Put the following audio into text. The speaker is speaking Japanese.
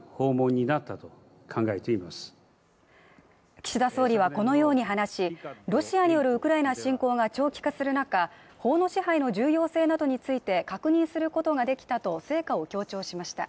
岸田総理はこのように話し、ロシアによるウクライナ侵攻が長期化する中、法の支配の重要性などについて確認することができたと成果を強調しました。